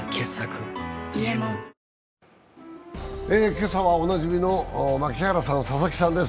今朝はおなじみの槙原さん、佐々木さんです。